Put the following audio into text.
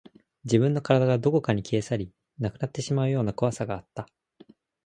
自分の体がどこかに消え去り、なくなってしまうような怖さがあった